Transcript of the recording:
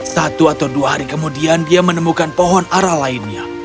satu atau dua hari kemudian dia menemukan pohon arah lainnya